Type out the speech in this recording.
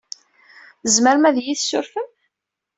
Tzemrem ad iyi-tessurfem?